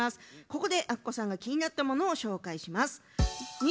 ここであっこさんが気になったものを紹介します。